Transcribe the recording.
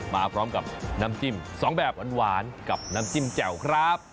มาพร้อมกับน้ำจิ้ม๒แบบหวานกับน้ำจิ้มแจ่วครับ